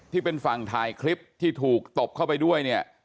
ที่เป็นฝั่งถ่ายคลิปที่ถูกตบเข้าไปด้วยเนี่ย